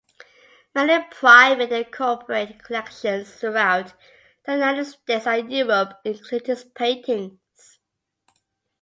Many private and corporate collections throughout the United States and Europe include his paintings.